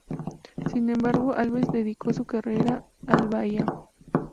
Sin embargo, Alves dedicó su carrera al baião.